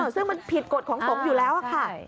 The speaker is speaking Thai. ซึ่งมันผิดกฎของสงฆ์อยู่แล้วค่ะ